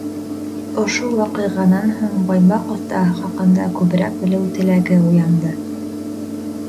Ошо ваҡиғанан һуң Баймаҡ оҫтаһы хаҡында күберәк белеү теләге уянды.